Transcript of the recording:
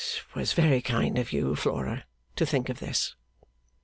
'It was very kind of you, Flora, to think of this.